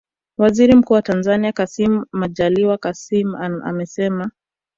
Waziri Mkuu wa Tanzania Kassim Majaliwa Kassim amesema